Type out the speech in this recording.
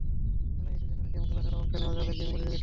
মেলায় এসে এখানে গেম খেলা ছাড়াও অংশ নেওয়া যাবে গেমিং প্রতিযোগিতায়।